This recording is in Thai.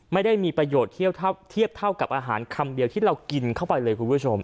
ไม่ได้มีประโยชน์เทียบเท่ากับอาหารคำเดียวที่เรากินเข้าไปเลยคุณผู้ชม